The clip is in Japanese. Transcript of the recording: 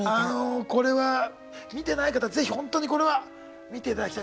これは見てない方是非ほんとにこれは見ていただきたい。